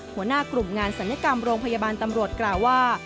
หัวหน้ากลุ่มงานศัลยกรรมโรงพยาบาลตำรวจกล่าวว่า